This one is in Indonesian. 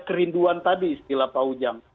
kerinduan tadi istilah pak ujang